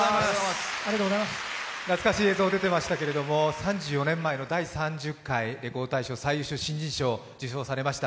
懐かしい映像が出ていましてけれども、３４年前の第３０回レコード大賞最優秀新人賞を受賞されました。